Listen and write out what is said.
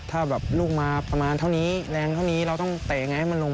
ถ้าแบบลูกมาประมาณเท่านี้แรงเท่านี้เราต้องเตะยังไงให้มันลง